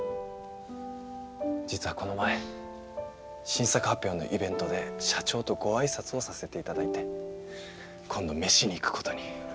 実はこの前新作発表のイベントで社長とご挨拶をさせていただいて今度飯に行くことに。